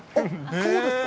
そうですか。